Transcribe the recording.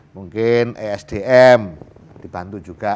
mungkin esdm dibantu juga